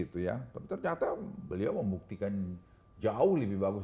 tapi ternyata beliau membuktikan jauh lebih bagus